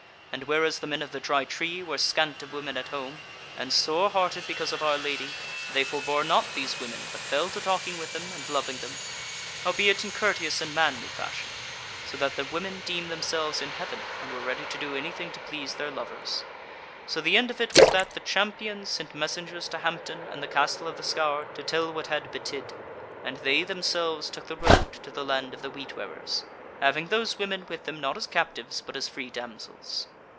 And whereas the men of the Dry Tree were scant of women at home, and sore hearted because of our Lady, they forbore not these women, but fell to talking with them and loving them; howbeit in courteous and manly fashion, so that the women deemed themselves in heaven and were ready to do anything to please their lovers. So the end of it was that the Champions sent messengers to Hampton and the Castle of the Scaur to tell what had betid, and they themselves took the road to the land of the Wheat wearers, having those women with them not as captives but as free damsels.